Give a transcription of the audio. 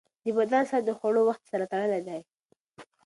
د بدن ساعت د خوړو وخت سره تړلی دی.